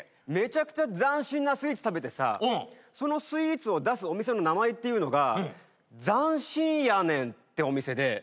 めちゃくちゃ斬新なスイーツ食べてさそのスイーツを出すお店の名前っていうのが「斬新やねん」ってお店で。